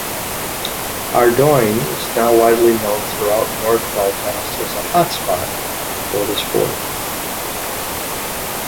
Ardoyne is now widely known throughout north Belfast as a hotspot for the sport.